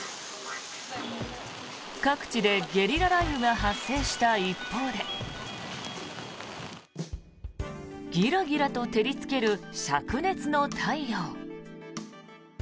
各地でゲリラ雷雨が発生した一方でギラギラと照りつけるしゃく熱の太陽。